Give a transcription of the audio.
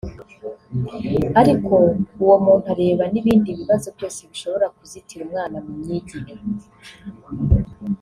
ariko uwo muntu areba n’ibindi bibazo byose bishobora kuzitira umwana mu myigire